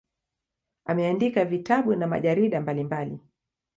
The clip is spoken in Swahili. Ameandika vitabu na majarida mbalimbali.